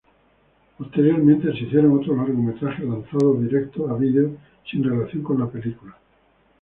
Posteriormente se hicieron otros largometrajes lanzados directo a video sin relación con la película.